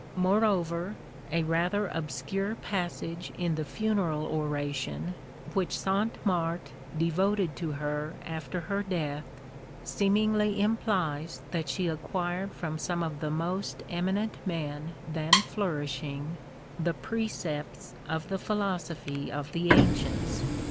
Moreover, a rather obscure passage in the funeral oration which Sainte Marthe devoted to her after her death, seemingly implies that she acquired from some of the most eminent men then flourishing the precepts of the philosophy of the ancients.